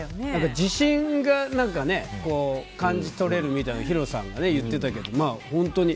自信が感じ取れるみたいなヒロさんが言っていたけど本当にね。